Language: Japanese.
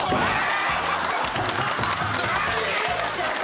何！？